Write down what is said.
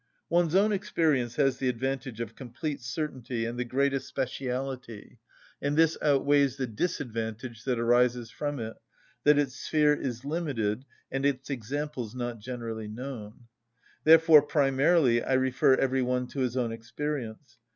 One's own experience has the advantage of complete certainty and the greatest speciality, and this outweighs the disadvantage that arises from it, that its sphere is limited and its examples not generally known. Therefore, primarily, I refer every one to his own experience.